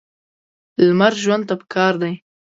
لمر ژوند ته پکار دی.